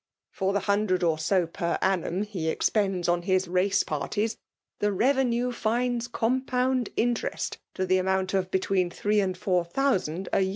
For the hundred or so per annum he* expends on hi» race parties, the revenue finds compound interest to the amount of betiveen three and four thousand a.